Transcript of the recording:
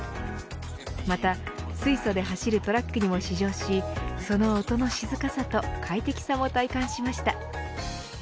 また水素で走るトラックにも試乗しその音の静かさと快適さも体感しました。